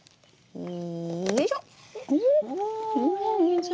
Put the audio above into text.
うん！